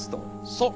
そう。